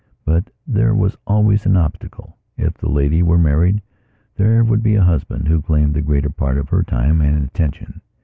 But there was always an obstacleif the lady were married there would be a husband who claimed the greater part of her time and attention.